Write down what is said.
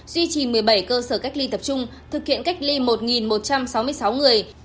duy trì một mươi bảy cơ sở cách ly tập trung thực hiện cách ly một một trăm sáu mươi sáu người